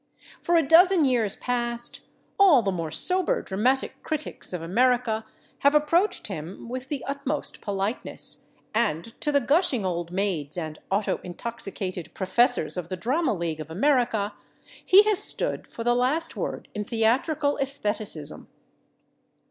For a dozen years past all the more sober dramatic critics of America have approached him with the utmost politeness, and to the gushing old maids and auto intoxicated professors of the Drama League of America he has stood for the last word in theatrical æstheticism.